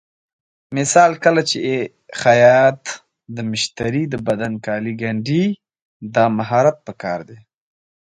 مثلا کله چې خیاط د مشتري د بدن کالي ګنډي، دا مهارت پکار دی.